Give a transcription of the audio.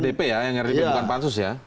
ini rdp ya yang rdp bukan pansus ya